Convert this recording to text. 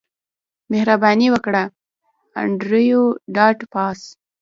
مهرباني وکړه انډریو ډاټ باس